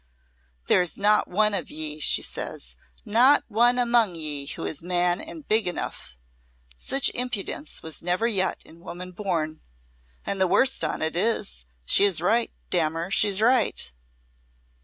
'There is not one of ye,' she says, 'not one among ye who is man and big enough!' Such impudence was never yet in woman born! And the worst on't is, she is right damn her! she's right."